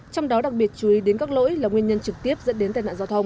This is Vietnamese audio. trong đó đặc biệt chú ý đến các lỗi là nguyên nhân trực tiếp dẫn đến tai nạn giao thông